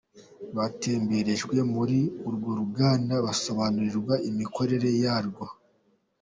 Batemberejwe muri urwo ruganda basobanurirwa imikorere yarwo.